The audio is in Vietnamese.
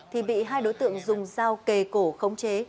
thì bị hai đối tượng dùng dao kề cổ khống chế